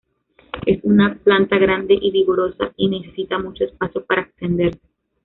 Es una planta grande y vigorosa y necesita mucho espacio para extenderse.